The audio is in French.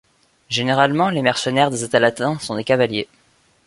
Généralement, les mercenaires des états latins sont des cavaliers.